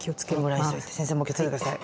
先生も気をつけて下さい。